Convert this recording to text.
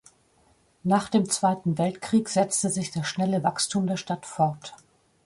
Nach dem Zweiten Weltkrieg setzte sich das schnelle Wachstum der Stadt fort.